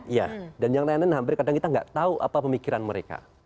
iya dan yang lain lain hampir kadang kita nggak tahu apa pemikiran mereka